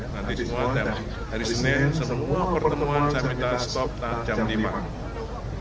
nanti semua hari senin semua pertemuan saya minta stop jam lima